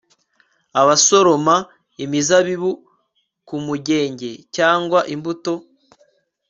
abasoroma imizabibu ku mugenge cyangwa imbuto